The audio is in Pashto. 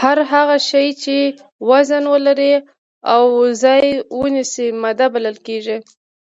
هر هغه شی چې وزن ولري او ځای ونیسي ماده بلل کیږي